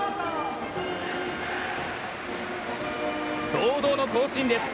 堂々の行進です。